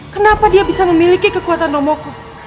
kenapa dia bisa memiliki kekuatan romoko